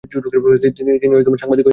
তিনি সাংবাদিক হিসেবে যান।